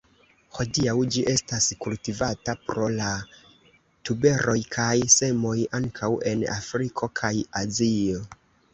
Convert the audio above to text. Hodiaŭ ĝi estas kultivata pro la tuberoj kaj semoj, ankaŭ en Afriko kaj Azio.